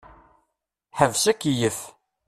Ḥbes akeyyef.